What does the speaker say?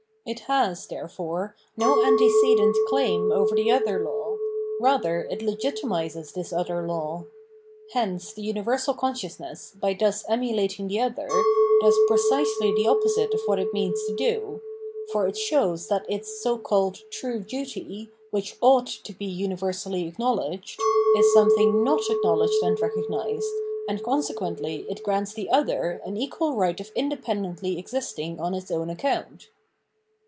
It has, therefore, no antecedent claim over the other law; rather it legitimises this other law. Hence the universal consciousness, by thus emulating the other, does precisely the opposite of what it means to do: for it shows that its so called "true duty," which ought to be universally acknowledged, is something not acknowledged and recognised, and consequently it pants the other an equal right of independently exist ing on its own account.